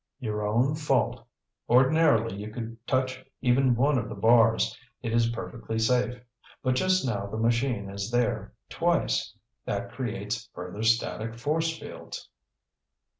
"Your own fault. Ordinarily you could touch even one of the bars; it is perfectly safe. But just now the machine is there twice. That creates further static force fields."